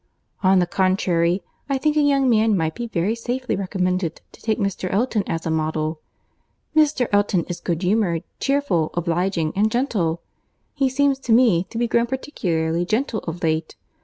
On the contrary, I think a young man might be very safely recommended to take Mr. Elton as a model. Mr. Elton is good humoured, cheerful, obliging, and gentle. He seems to me to be grown particularly gentle of late.